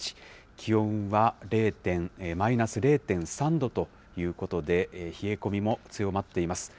気温はマイナス０．３度ということで、冷え込みも強まっています。